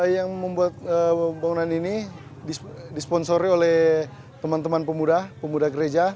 yang membuat bangunan ini disponsori oleh teman teman pemuda pemuda gereja